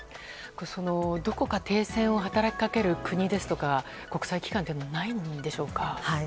どこか、停戦を働きかける国ですとか国際機関はないんでしょうか。